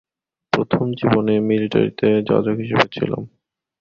প্রথম জীবনে মিলিটারিতে যাজক হিসেবে ছিলাম।